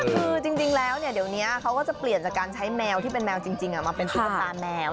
คือจริงแล้วเดี๋ยวนี้เขาก็จะเปลี่ยนจากการใช้แมวที่เป็นแมวจริงมาเป็นตุ๊กตาแมว